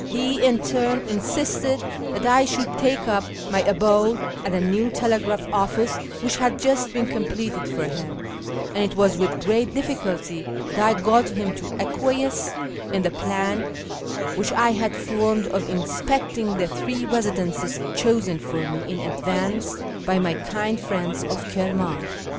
He in turn insisted that I should take up my abode at a new telegraph office wdiich had just been completed for him, and it was with great difficulty that I got him to acquiesce in the plan which 1 had formed of inspecting the three residences chosen for me in advance by my kind friends of Kirman.